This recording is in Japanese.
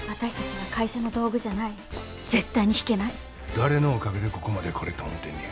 誰のおかげでここまで来れた思てんねや。